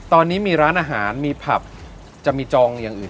ตอนนี้มีร้านอาหารมีผับจะมีจองอย่างอื่น